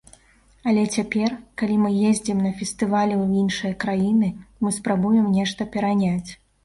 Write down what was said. Але цяпер, калі мы ездзім на фестывалі ў іншыя краіны, мы спрабуем нешта пераняць.